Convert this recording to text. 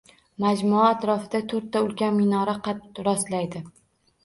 Majmua atrofida to‘rtta ulkan minora qad rostlaydi.